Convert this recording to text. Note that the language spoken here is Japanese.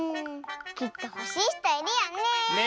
きっとほしいひといるよね！ね！